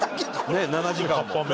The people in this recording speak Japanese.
ねえ７時間も。